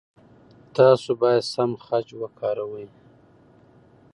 تاسو باید سم خج وکاروئ.